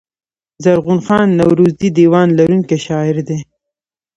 زرغون خان نورزى دېوان لرونکی شاعر دﺉ.